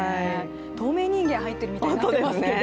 透明人間が入ってるみたいになってますけど。